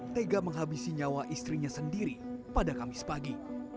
tega menghabisi nyawa istrinya sendiri pada kamis pagi